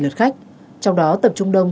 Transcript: lượt khách trong đó tập trung đông